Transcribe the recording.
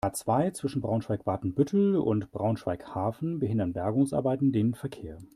A-zwei, zwischen Braunschweig-Watenbüttel und Braunschweig-Hafen behindern Bergungsarbeiten den Verkehr.